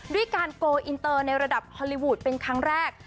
ด้วยการโกลอินเตอร์ในระดับฮอลลีวูดเป็นครั้งแรก